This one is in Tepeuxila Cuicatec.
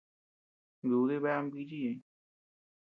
Dúdi bea ama bichi ñeʼëñ.